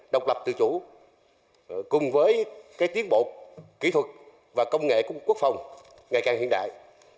độc lập tự chủ cùng với tiến bộ kỹ thuật và công nghệ của quốc phòng ngày càng hiện đại